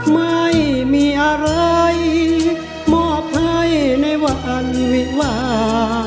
ไม่มีอะไรมอบให้ในวันอันวิวา